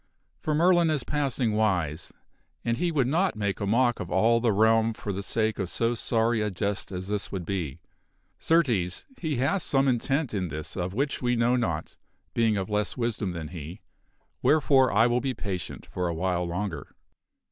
For Merlin is passing wise, and he would not make a mock of all the realm for the sake of so sorry a jest as this would be. Certes he hath some intent in this of which we know naught, being of less wisdom than he where fore I will be patient for a while longer."